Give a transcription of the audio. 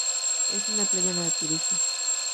Es una playa naturista.